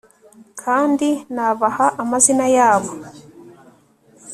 Kandi nabaha amazina yabo